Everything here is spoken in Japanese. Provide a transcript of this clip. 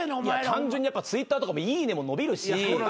単純にやっぱＴｗｉｔｔｅｒとかいいねも伸びるし。